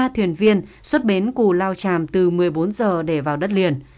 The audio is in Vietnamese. ba thuyền viên xuất bến cù lao tràm từ một mươi bốn giờ để vào đất liền